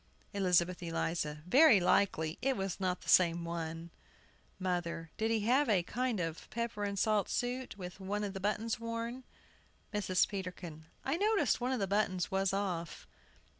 ELIZABETH ELIZA. Very likely it was not the same one. MOTHER. Did he have a kind of pepper and salt suit, with one of the buttons worn? MRS. PETERKIN. I noticed one of the buttons was off.